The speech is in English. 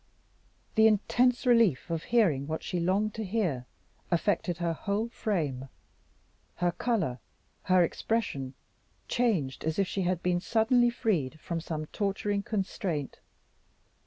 The intense relief of hearing what she longed to hear, affected her whole frame: her color, her expression, changed as if she had been suddenly freed from some torturing constraint.